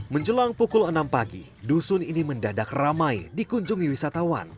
menjelang pukul enam pagi dusun ini mendadak ramai dikunjungi wisatawan